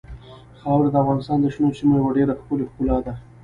خاوره د افغانستان د شنو سیمو یوه ډېره ښکلې ښکلا ده.